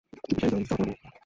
চুপিসারে তদন্ত চালাতে হবে।